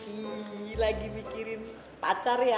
hmm lagi mikirin pacar ya